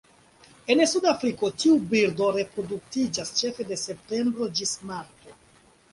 En Sudafriko, tiu birdo reproduktiĝas ĉefe de septembro ĝis marto.